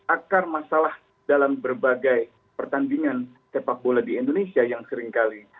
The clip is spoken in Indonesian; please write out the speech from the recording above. akar masalah dalam berbagai pertandingan sepak bola di indonesia yang seringkali